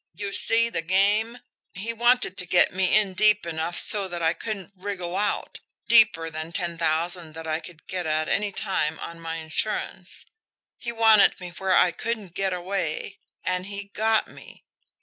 "You see the game! He wanted to get me in deep enough so that I couldn't wriggle out, deeper than ten thousand that I could get at any time on my insurance, he wanted me where I couldn't get away and he got me.